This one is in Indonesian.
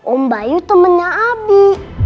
om bayu temannya abi